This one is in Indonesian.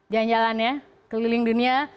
jalan jalan ya keliling dunia